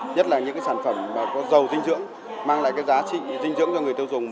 nhất là những sản phẩm có dầu dinh dưỡng mang lại giá trị dinh dưỡng cho người tiêu dùng